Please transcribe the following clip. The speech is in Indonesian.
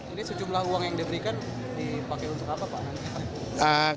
ini sejumlah uang yang diberikan dipakai untuk apa pak